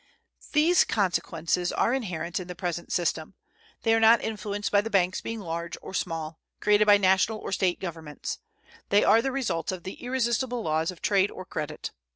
These consequences are inherent in the present system. They are not influenced by the banks being large or small, created by National or State Governments. They are the results of the irresistible laws of trade or credit.